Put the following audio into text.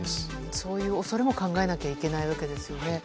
そういう恐れも考えなければいけないわけですね